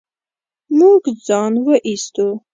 موږ ځان و ايستو.